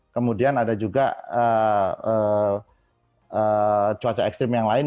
kemudian ada juga cuaca ekstrim yang lain